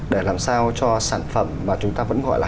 để làm sao cho sản phẩm mà chúng ta vẫn gọi là